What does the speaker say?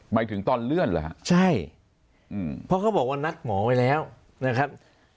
หมายถึงตอนเลื่อนเหรอครับ